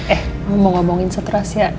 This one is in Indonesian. eh mau ngomongin seterah